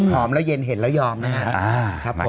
แล้วเย็นเห็นแล้วยอมนะครับผม